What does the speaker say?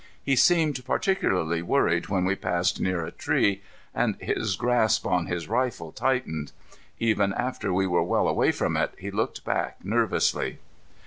He seemed particularly worried when we passed near a tree and his grasp on his rifle tightened. Even after we were well away from it, he looked back nervously.